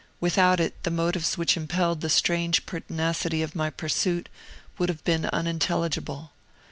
Without it, the motives which impelled the strange pertinacity of my pursuit would have been unintelligible.